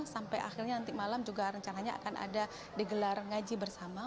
sampai akhirnya nanti malam juga rencananya akan ada digelar ngaji bersama